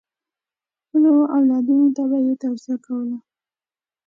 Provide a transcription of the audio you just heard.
خپلو اولادونو ته یې توصیه کوله.